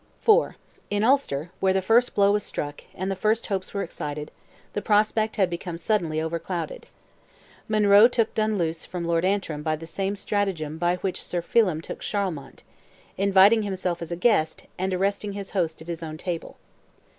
IV. In Ulster, where the first blow was struck, and the first hopes were excited, the prospect had become suddenly overclouded. Monroe took Dunluce from Lord Antrim by the same stratagem by which Sir Phelim took Charlemont—inviting himself as a guest, and arresting his host at his own table.